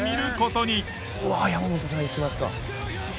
うわ山本さんいきますか。